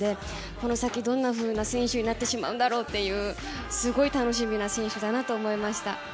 この先、どんなふうな選手になってしまうんだろうというすごい楽しみな選手だなと思いました。